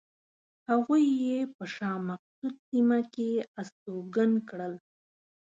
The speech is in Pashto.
هغوی یې په شاه مقصود سیمه کې استوګن کړل.